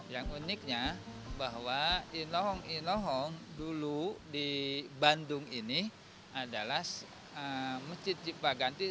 yang uniknya bahwa inohong inohong dulu di bandung ini adalah masjid cipaganti